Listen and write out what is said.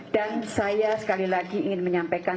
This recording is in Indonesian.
dan saya sekali lagi ingin menyampaikan